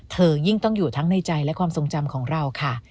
ยิ่งต้องอยู่ทั้งในใจและความทรงจำของเราค่ะ